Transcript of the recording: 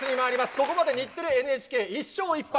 ここまで日テレ、ＮＨＫ、１勝１敗。